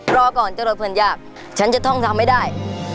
รอก่อนจะรอเพื่อนยากฉันจะท่องทำให้ได้